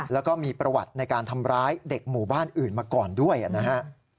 แล้วก็มีประวัติในการทำร้ายเด็กหมู่บ้านอื่นมาก่อนด้วยนะฮะ